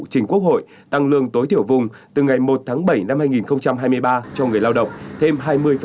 chỉnh quốc hội tăng lương tối thiểu vùng từ ngày một tháng bảy năm hai nghìn hai mươi ba cho người lao động thêm hai mươi